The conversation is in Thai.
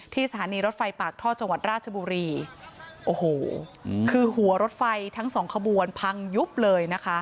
สถานีรถไฟปากท่อจังหวัดราชบุรีโอ้โหคือหัวรถไฟทั้งสองขบวนพังยุบเลยนะคะ